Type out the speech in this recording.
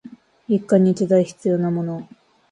一家に一台必要なもの